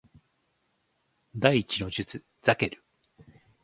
第一の術ザケル